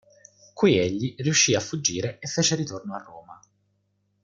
Qui egli riuscì a fuggire e fece ritorno a Roma.